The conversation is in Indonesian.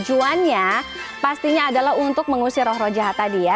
tujuannya pastinya adalah untuk mengusir roh roh jahat tadi ya